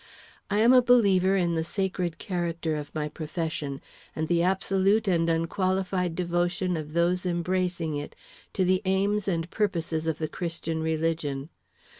I am a believer in the sacred character of my profession, and the absolute and unqualified devotion of those embracing it to the aims and purposes of the Christian religion.